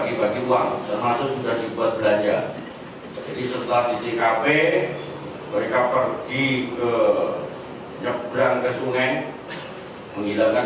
kemudian kita lakukan pengejaran